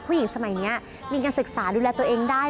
ผู้หญิงสมัยนี้มีการศึกษาดูแลตัวเองได้